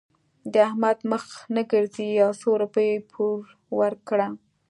د احمد مخ نه ګرځي؛ يو څو روپۍ پور ورکړه.